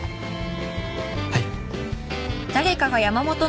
はい。